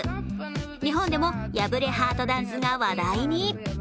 日本でも、破れハートダンスが話題に。